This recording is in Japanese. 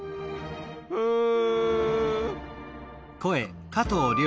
うん。